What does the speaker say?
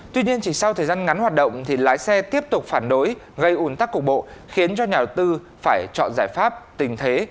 tuy nhiên chỉ sau thời gian ngắn hoạt động thì lái xe tiếp tục phản đối gây ủn tắc cục bộ khiến cho nhà đầu tư phải chọn giải pháp tình thế